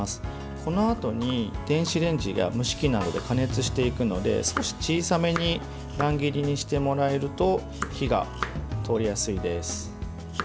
このあとに、電子レンジや蒸し器などで加熱していくので少し小さめに乱切りにしてもらえると火が通りやすいです。